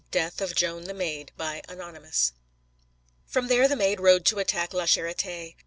DEATH OF JOAN THE MAID Anonymous From there the Maid rode to attack La Charité.